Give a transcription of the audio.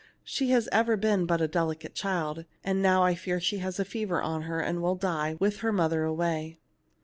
She has ever been but a delicate child, and now I fear she has a fever on her, and will die, with her mother away."